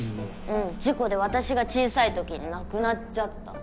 うん事故で私が小さいときに亡くなっちゃった。